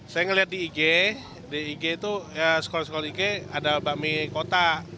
saya melihat di ig di ig itu sekolah sekolah ig ada bakmi kota